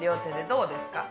どうですか？